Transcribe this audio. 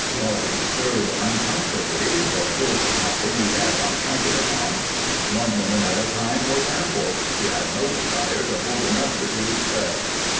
Roly stirred uncomfortably, for here was something he had not counted upon. One woman at a time was ample; he had no desire to hold another to his breast.